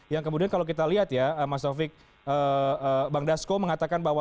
yang kemudian kalau kita lihat ya mas taufik bang dasko mengatakan bahwa